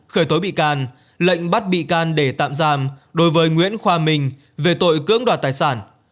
khởi tố bị can lệnh bắt bị can để tạm giam đối với nguyễn khoa minh về tội cưỡng đoạt tài sản